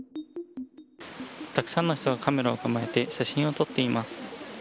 たくさんの人がカメラを構えて写真を撮っています。